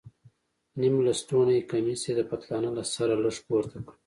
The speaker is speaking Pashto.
نيم لستوڼى کميس يې د پتلانه له سره لږ پورته کړ.